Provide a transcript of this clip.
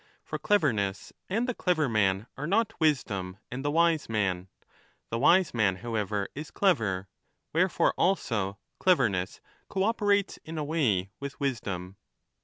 34 1197' For cleverness and the clever man are not wisdom and the wise man ; the wise man, however, is clever, wherefore also ^o cleverness co operates in a way with \visdom.